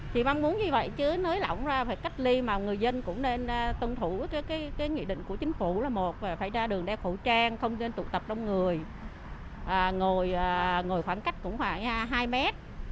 không nên tụ tập đông người ngồi khoảng cách cũng khoảng hai mét